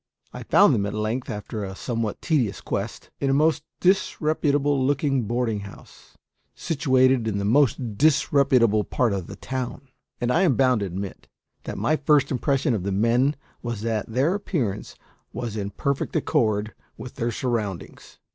I found them at length, after a somewhat tedious quest, in a most disreputable looking boarding house, situate in the most disreputable part of the town. And I am bound to admit that my first impression of the men was that their appearance was in perfect accord with their surroundings.